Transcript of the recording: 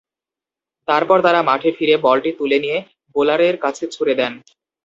তারপরে তাঁরা মাঠে ফিরে বলটি তুলে নিয়ে বোলারের কাছে ছুঁড়ে দেন।